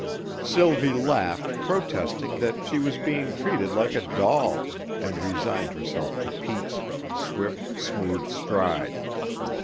Sylvie laughed protesting that she was being treated like a doll, and resigned herself to Pete's swift, smooth stride.